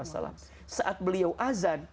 saat beliau azan